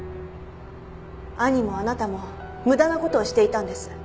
兄もあなたも無駄な事をしていたんです。